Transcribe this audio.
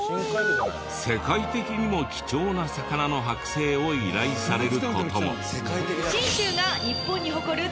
世界的にも貴重な魚のはく製を依頼される事も。